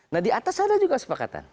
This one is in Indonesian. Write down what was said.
nah di atas ada juga kesepakatan